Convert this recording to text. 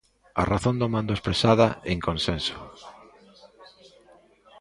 A razón do mando expresada en consenso.